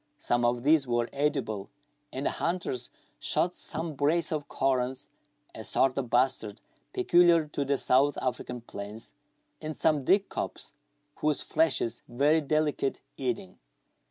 Some of these were edible, and the hunters shot some brace of " korans," a sort of bustard peculiar to the South African plains, and some "dikkops," whose flesh is very delicate eating.